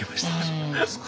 そうですか。